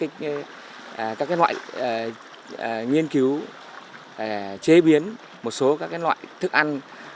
đã nghiên cứu được các loại nghiên cứu chế biến một số các loại thức ăn